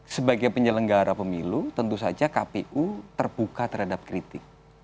sebagai penyelenggara pemilu tentu saja kpu terbuka terhadap kritik